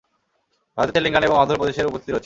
ভারতের তেলেঙ্গানা এবং অন্ধ্র প্রদেশে এর উপস্থিতি রয়েছে।